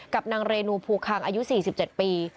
กับนางเรนูภูคังอายุ๔๗ปี